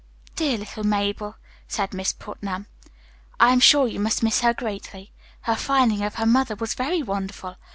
"Dear little Mabel," said Miss Putnam. "I am sure you must miss her greatly. Her finding of her mother was very wonderful.